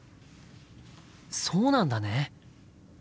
そうなんだね。